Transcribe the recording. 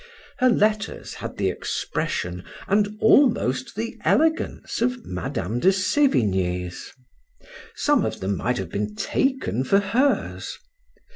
Her letters had the expression, and almost the elegance of Madam de Savigne's; some of them might have been taken for hers.